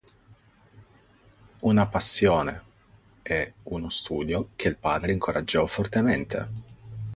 Una passione e uno studio che il padre incoraggiò fortemente.